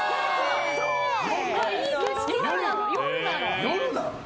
夜なの！